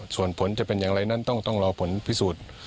ส่วนผลจะเป็นอย่างไรนั้นต้องรอผลพิสูจน์